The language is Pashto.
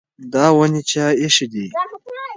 دا ونې چا ایښې دي؟